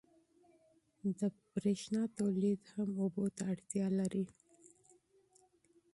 د برېښنا تولید هم اوبو ته اړتیا لري.